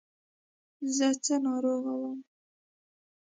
زه څه ناروغه وم.